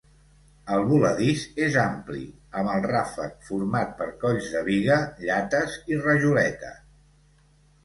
El voladís és ampli, amb el ràfec format per colls de biga, llates i rajoleta.